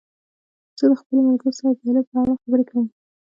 زه د خپلو ملګرو سره د علم په اړه خبرې کوم.